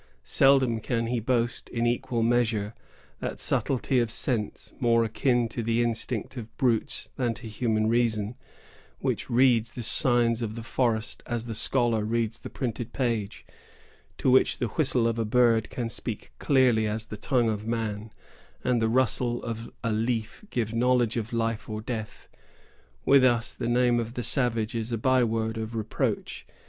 Seldom can he boast, in equal measure, that subtlety of sense, more akin to the instinct of brutes than to human reason, which reads the signs of the forest as the scholar reads the printed page, to which the whistle of a bird can speak clearly as the tongue of man, and the rustle of a leaf give knowledge of life or death. With us the name of the savage is a byword of reproach.